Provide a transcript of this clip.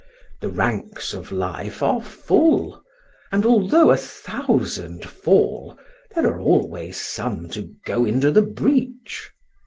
The ranks of life are full; and although a thousand fall, there are always some to go into the breach.